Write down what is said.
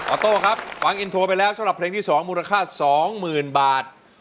ออโต้ครับฟังไปแล้วสำหรับเพลงที่สองมูลค่าสองหมื่นบาท